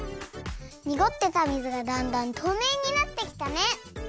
にごってた水がだんだんとうめいになってきたね。